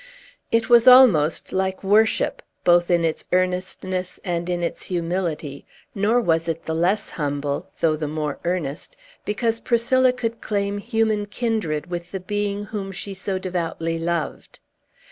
It was almost like worship, both in its earnestness and its humility; nor was it the less humble though the more earnest because Priscilla could claim human kindred with the being whom she, so devoutly loved.